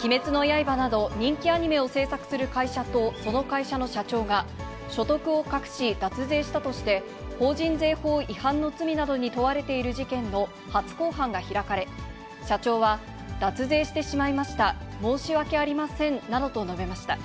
鬼滅の刃など、人気アニメを制作する会社とその会社の社長が、所得を隠し、脱税したとして、法人税法違反の罪などに問われている事件の初公判が開かれ、社長は、脱税してしまいました、申し訳ありませんなどと述べました。